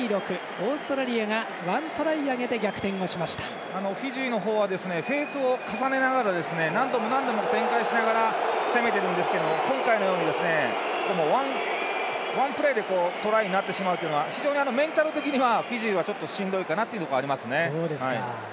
オーストラリアが１トライを挙げてフィジーの方はフェーズを重ねながら何度も何度も展開しながら攻めてるんですけど今回のようにワンプレーでトライになってしまうというのは非常にメンタル的にはフィジーはしんどいかなというところがありますね。